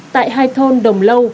tại hai thôn đồng lâu